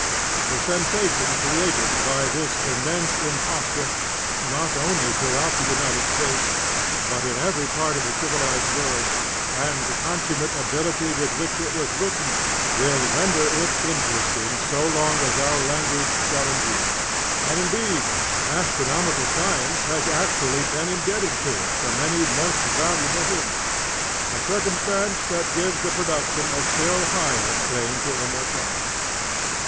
The sensation created by this immense imposture, not only throughout the United States, but in every part of the civilized world, and the consummate ability with which it was written, will render it interesting so long as our language shall endure; and, indeed, astronomical science has actually been indebted to it for many most valuable hints a circumstance that gives the production a still higher claim to immortality.